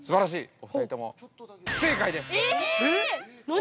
◆お二人とも不正解です。